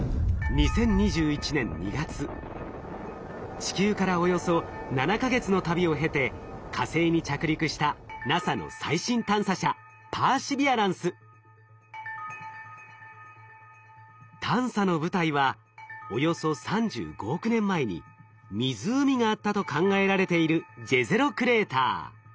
地球からおよそ７か月の旅を経て火星に着陸したＮＡＳＡの最新探査車探査の舞台はおよそ３５億年前に湖があったと考えられているジェゼロクレーター。